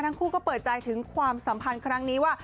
ทั้งคู่ก็เปิดใจถึงความสัมพันธ์ครั้งนี้ว่า